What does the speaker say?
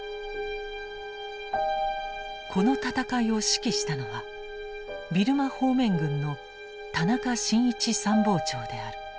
この戦いを指揮したのはビルマ方面軍の田中新一参謀長である。